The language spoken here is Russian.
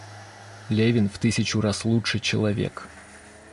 Левин в тысячу раз лучше человек.